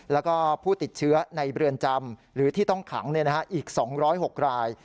แล้วก็ผู้ติดเชื้อในเรือนจำหรือที่ต้องขังอีก๒๐๖ราย